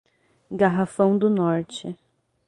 Garrafão do Norte